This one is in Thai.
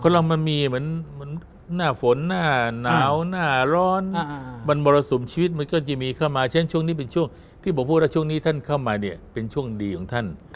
เรามันมีเหมือนหน้าฝนหน้าหนาวหน้าร้อนมันมรสุมชีวิตมันก็จะมีเข้ามาเช่นช่วงนี้เป็นช่วงที่ผมพูดว่าช่วงนี้ท่านเข้ามาเนี่ยเป็นช่วงดีของท่าน